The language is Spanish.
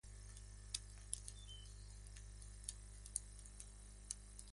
El clima es templado con precipitaciones abundantes.